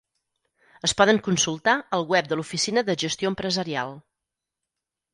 Es poden consultar al web de l'Oficina de Gestió Empresarial.